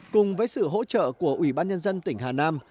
cùng với sự hỗ trợ của ủy ban nhân dân tỉnh hà nam